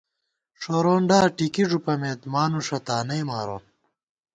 ݭورونڈا ٹِکی ݫُوپَمېت ، مانُوݭہ تانئی مارون